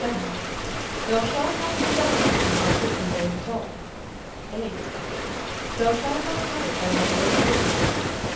VII. Thou shalt not indulge in idle and vain talk. VIII. Thou shalt not covet thy neighbor's goods.